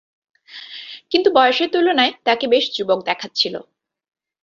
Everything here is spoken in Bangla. কিন্তু বয়সের তুলনায় তাকে বেশ যুবক দেখাচ্ছিল।